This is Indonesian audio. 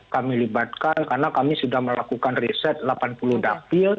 kami libatkan karena kami sudah melakukan riset delapan puluh dapil